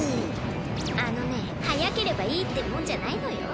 あのね速ければいいってもんじゃないのよ。